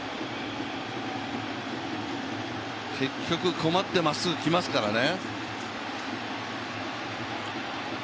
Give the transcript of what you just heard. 結局困ってまっすぐきますからね。